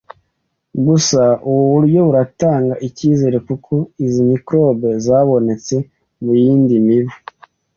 Gusa, ubu buryo buratanga ikizere kuko izi microbe zabonetse mu yindi mibu